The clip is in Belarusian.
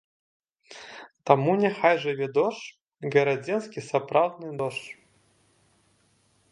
Таму няхай жыве дождж, гарадзенскі сапраўдны дождж!